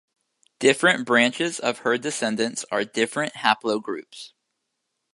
Different branches of her descendants are different haplogroups.